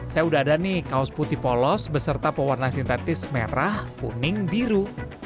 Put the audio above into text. saya udah ada nih kaos putih polos beserta pewarna sintetis merah kuning biru